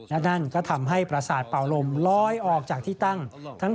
และนั่นก็ทำให้ประสาทเป่าลมลอยออกจากที่ตั้ง